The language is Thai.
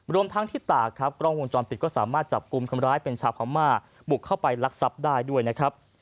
รวมทั้งที่ตากครับกล้องวงจรปิดก็สามารถจับกลุ่มคนร้ายเป็นชาวพม่าบุกเข้าไปลักทรัพย์ได้ด้วยนะครับ